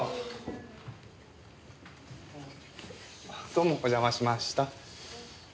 どうもお邪魔しました。